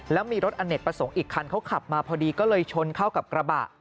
แล้วมีรถอเนกประสงค์อีกคันเขาขับมาพอดีก็เลยชนเข้ากับกระบะ